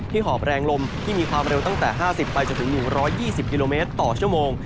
หอบแรงลมที่มีความเร็วตั้งแต่๕๐ไปจนถึง๑๒๐กิโลเมตรต่อชั่วโมง